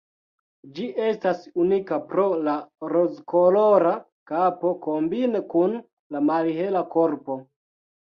Ĝi estas unika pro la rozkolora kapo kombine kun la malhela korpo.